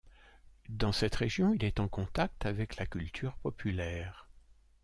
Dans cette région il est en contact avec la culture populaire.